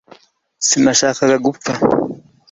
sinashakaga gupfa